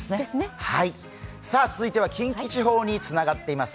続いては近畿地方につながっています。